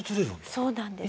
そうなんです。